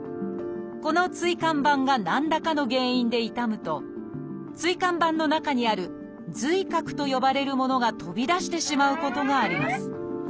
この椎間板が何らかの原因で傷むと椎間板の中にある「髄核」と呼ばれるものが飛び出してしまうことがあります。